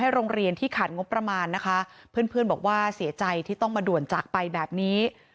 โรงเรียนที่ขาดงบประมาณนะคะเพื่อนเพื่อนบอกว่าเสียใจที่ต้องมาด่วนจากไปแบบนี้